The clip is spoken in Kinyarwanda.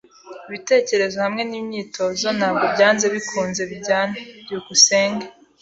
Ibitekerezo hamwe nimyitozo ntabwo byanze bikunze bijyana. byukusenge